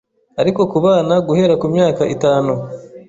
ariko ku bana guhera ku myaka itanu